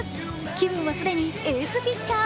気分は既にエースピッチャー。